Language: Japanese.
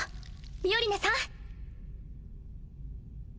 ミオリネさん。